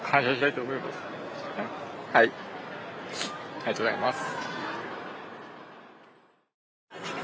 ありがとうございます。